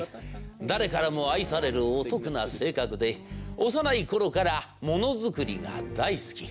誰からも愛されるお得な性格で幼いころからものづくりが大好き。